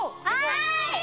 はい！